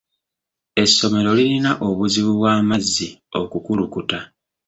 Essomero lirina obuzibu bw'amazzi okukulukuta.